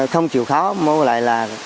không chịu khó mà lại là